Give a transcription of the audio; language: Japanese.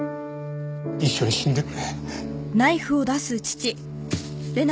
一緒に死んでくれ。